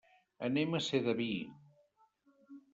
Anem a Sedaví.